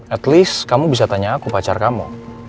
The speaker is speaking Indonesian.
at least kamu bisa tanya aku pacar kamu